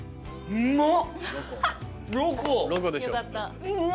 うまっ！